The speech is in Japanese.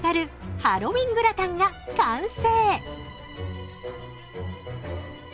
ハロウィングラタンが完成。